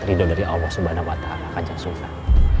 terhidup dari allah subhanahu wa ta'ala kanjeng sunan